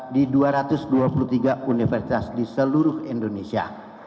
di dua ratus dua puluh tiga universitas di seluruh indonesia